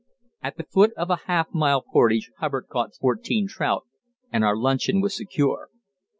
At the foot of a half mile portage Hubbard caught fourteen trout, and our luncheon was secure.